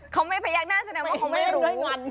เขาไม่พยักหน้าแสดงว่าเขาไม่รู้